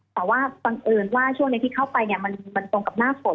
แต่ว่าบังเอิญว่าช่วงนี้ที่เข้าไปเนี่ยมันตรงกับหน้าฝน